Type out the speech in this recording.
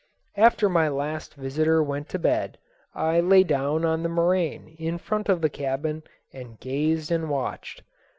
After my last visitor went to bed, I lay down on the moraine in front of the cabin and gazed and watched.